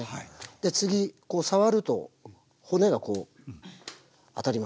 で次触ると骨がこう当たります。